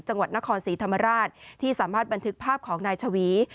จังหวัดนครศรีธรรมราชที่สามารถบันทึกภาพของนายชวี